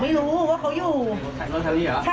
ไม่ได้เกี่ยวพร่อมอะไรกันแล้ว